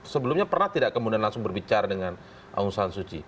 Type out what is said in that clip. sebelumnya pernah tidak kemudian langsung berbicara dengan aung san suu kyi